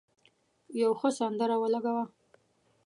یو ښه سندره ولګوه.